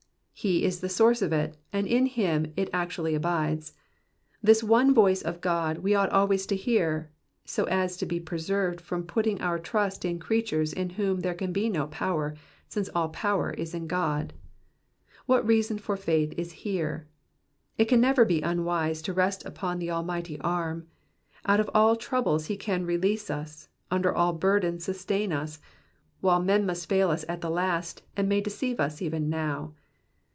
"*^ He is the source of it, and in him it actually abides. This one voice of God we ought always to hear, so as to be preserved from putting our trust in creatures in whom there can be no power, since all power is in God. What reason for faith is here ! It can never be unwise to rest upon the almighty arm. Out of all troubles he can release us, under all burdens sustain us, while men must fail us at the last, and may deceive us even now.